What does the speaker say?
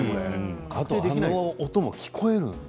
あの音も聞こえるんだね。